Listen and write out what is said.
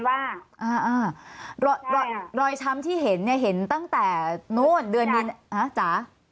รอยช้ำที่เห็นเนี่ยเห็นตั้งแต่นู้นเดือนนี้จ๋า